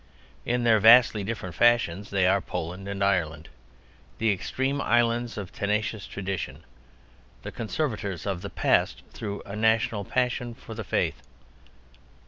In their vastly different fashions they are Poland and Ireland—the extreme islands of tenacious tradition: the conservators of the Past through a national passion for the Faith.